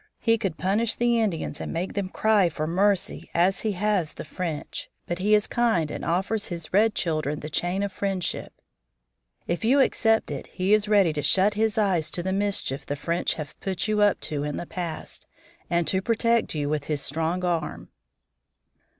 He could punish the Indians and make them cry for mercy, as he has the French. But he is kind and offers to his red children the chain of friendship. If you accept it he is ready to shut his eyes to the mischief the French have put you up to in the past, and to protect you with his strong arm."